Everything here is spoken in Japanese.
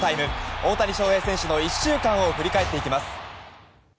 大谷翔平選手の１週間を振り返っていきます。